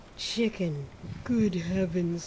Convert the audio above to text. "Chicken! Good heavens!"